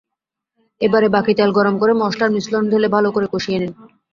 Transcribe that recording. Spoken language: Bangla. এবারে বাকি তেল গরম করে মসলার মিশ্রণ ঢেলে ভালো করে কষিয়ে নিন।